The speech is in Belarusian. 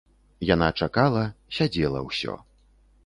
Яна чакала, сядзела ўсё.